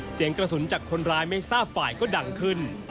เสียงกระสุนจากคนร้ายไม่ทราบฝ่ายก็ดังขึ้น